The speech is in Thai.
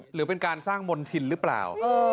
หรือเป็นการสร้างมณฑินหรือเปล่า